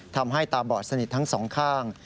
ตาบอดสนิททั้งสองข้าง